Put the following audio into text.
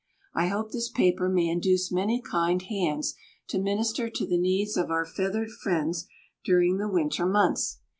I hope this paper may induce many kind hands to minister to the needs of our feathered friends during the winter months.